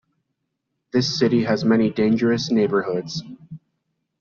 This city has many dangerous neighborhoods.